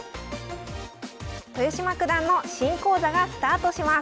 豊島九段の新講座がスタートします